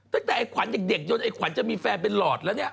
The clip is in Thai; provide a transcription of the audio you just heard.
ไอ้ขวัญเด็กจนไอ้ขวัญจะมีแฟนเป็นหลอดแล้วเนี่ย